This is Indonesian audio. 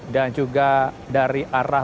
dan juga dari arah